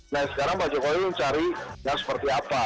nah sekarang pak jokowi mencari yang seperti apa